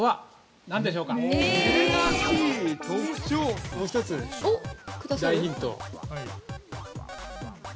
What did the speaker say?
◆もう一つ大ヒント。